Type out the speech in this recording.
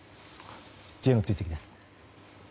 Ｊの追跡です。